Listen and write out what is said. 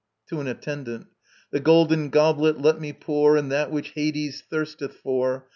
To an ATTENDANT. The golden goblet let me pour, And that which Hades thirsteth for.